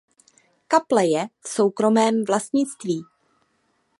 Kaple je v soukromém vlastnictví.